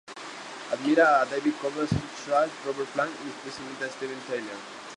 Admira a David Coverdale, Slash, Robert Plant y especialmente a Steven Tyler.